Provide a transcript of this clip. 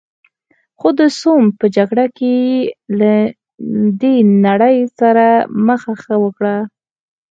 خو د سوم په جګړه کې یې له دې نړۍ سره مخه ښه وکړه.